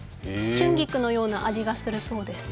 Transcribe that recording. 春菊のような味がするそうです。